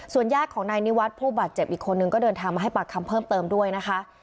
ญาติของนายนิวัตรผู้บาดเจ็บอีกคนนึงก็เดินทางมาให้ปากคำเพิ่มเติมด้วยนะคะ